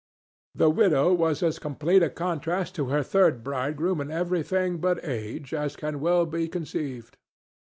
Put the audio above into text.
The widow was as complete a contrast to her third bridegroom in everything but age as can well be conceived.